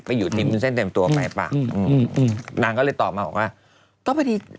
ไปอยู่ทิมทุนเส้นเต็มตัวไปนางก็เลยตอบมาว่า